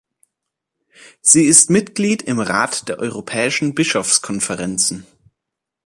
Sie ist Mitglied im Rat der europäischen Bischofskonferenzen.